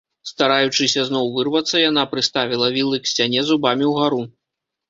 Стараючыся зноў вырвацца, яна прыставіла вілы к сцяне зубамі ўгару.